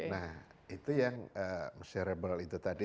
nah itu yang cerebral itu tadi